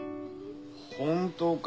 本当か？